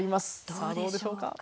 どうでしょうか？